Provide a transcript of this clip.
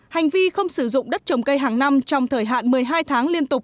hành vi không sử dụng đất trồng cây hàng năm trong thời hạn một mươi hai tháng